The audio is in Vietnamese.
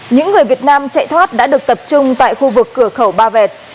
những người việt nam chạy thoát đã được tập trung tại khu vực cửa khẩu ba vẹt